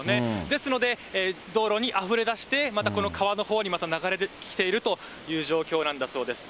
ですので、道路にあふれ出して、この川のほうにまた流れ出てきているという状況なんだそうです。